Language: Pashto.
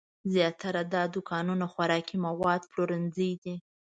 زیاتره دا دوکانونه خوراکي مواد پلورنځي دي.